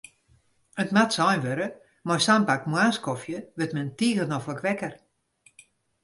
It moat sein wurde, mei sa'n bak moarnskofje wurdt men tige noflik wekker.